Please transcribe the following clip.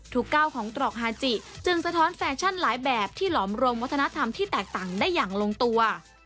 ก้าวของตรอกฮาจิจึงสะท้อนแฟชั่นหลายแบบที่หลอมรวมวัฒนธรรมที่แตกต่างได้อย่างลงตัว